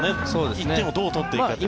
１点をどう取っていくかという。